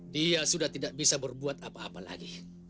dia sudah tidak bisa berbuat apa apa lagi